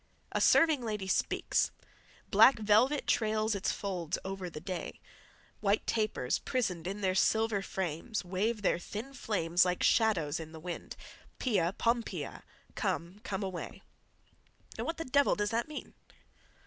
"'A serving lady speaks: Black velvet trails its folds over the day, White tapers, prisoned in their silver frames, Wave their thin flames like shadows in the wind, Pia, Pompia, come—come away—' "Now, what the devil does that mean?"